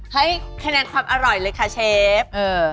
ให้คะแนนความอร่อยเลยค่ะเชฟ